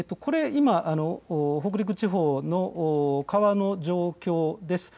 今、北陸地方の川の状況です。